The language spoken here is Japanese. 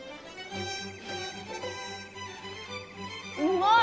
うまい！